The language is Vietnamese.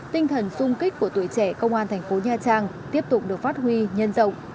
tinh thần sung kích của tuổi trẻ công an thành phố nha trang tiếp tục được phát huy nhân rộng